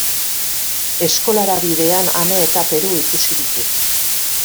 Eskolara bidean Ane eta Peru ikusi ditut.